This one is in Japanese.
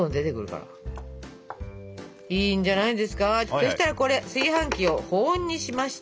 そしたらこれ炊飯器を保温にしまして。